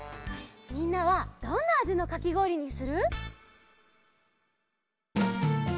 みんなはどんなあじのかきごおりにする？